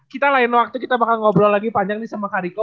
kita lain waktu kita bakal ngobrol lagi panjang nih sama kariko